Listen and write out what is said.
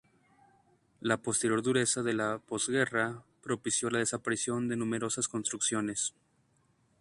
La posterior dureza de la postguerra propició la desaparición de numerosas construcciones.